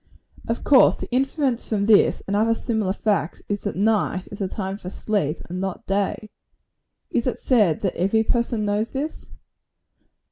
Of course, the inference from this, and other similar facts, is, that night is the time for sleep, and not day. Is it said that every person knows this?